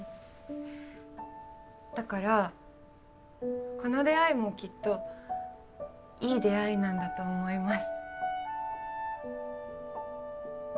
だからこの出会いもきっといい出会いなんだと思います。